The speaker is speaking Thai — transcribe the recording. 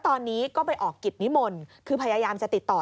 ตอนนี้ก็ไปออกกิจนิมนต์คือพยายามจะติดต่อ